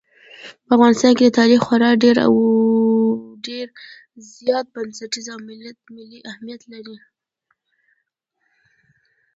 په افغانستان کې تاریخ خورا ډېر او ډېر زیات بنسټیز او ملي اهمیت لري.